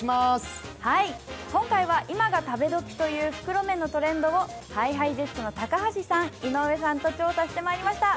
今回は、今が食べ時という袋麺のトレンドをＨｉＨｉＪｅｔｓの高橋さん、井上さんとに調査してまいりました。